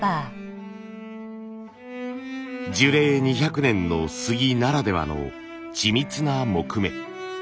樹齢２００年の杉ならではの緻密な木目。